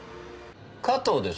加藤です。